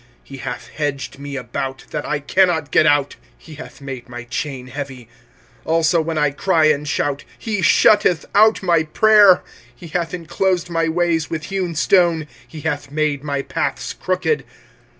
25:003:007 He hath hedged me about, that I cannot get out: he hath made my chain heavy. 25:003:008 Also when I cry and shout, he shutteth out my prayer. 25:003:009 He hath inclosed my ways with hewn stone, he hath made my paths crooked.